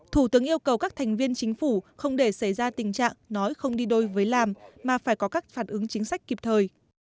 thủ tướng yêu cầu các thành viên chính phủ không để xảy ra tình trạng nói không đi đôi với làm mà phải có các phản ứng chính sách kịp thời